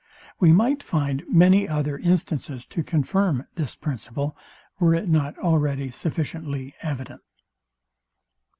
We might find many other instances to confirm this principle, were it not already sufficiently evident.